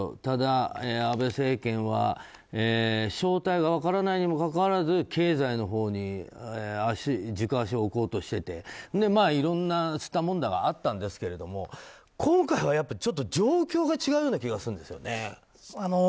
ただ、安倍政権は正体が分からないにもかかわらず経済のほうに軸足を置こうとしていていろんなすったもんだがあったんですけども今回はやっぱり状況が違うような気がするんですよね。